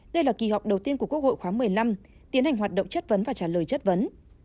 đây là kỳ họp đầu tiên của quốc hội khóa một mươi năm tiến hành hoạt động chất vấn và trả lời chất vấn